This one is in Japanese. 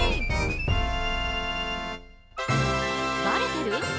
ばれてる？